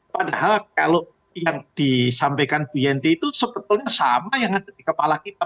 padahal kalau yang disampaikan bu yenty itu sebetulnya sama yang ada di kepala kita